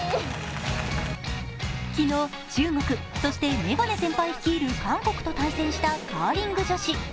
昨日、中国、そしてメガネ先輩率いる韓国と対戦したカーリング女子。